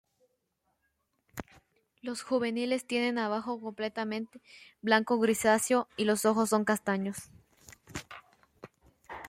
Los juveniles tienen abajo completamente blanco-grisáceo y los ojos son castaños.